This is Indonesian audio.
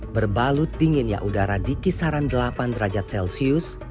berbalut dinginnya udara di kisaran delapan derajat celcius